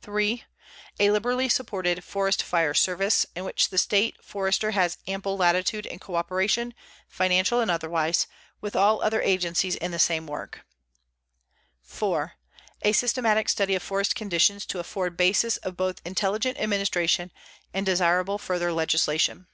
3. A liberally supported forest fire service, in which the state forester has ample latitude in coöperation, financial and otherwise, with all other agencies in the same work. 4. A systematic study of forest conditions to afford basis of both intelligent administration and desirable further legislation.